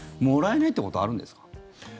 もらえないってことあるんですか？